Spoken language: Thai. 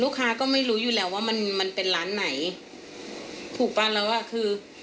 ลูกค้าก็ไม่รู้อยู่แล้วว่ามันมันเป็นร้านไหนถูกป่ะแล้วอ่ะคือ